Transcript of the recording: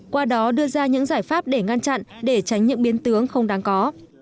qua đó đưa ra những giải pháp để ngăn chặn để tránh những biến tướng không đáng có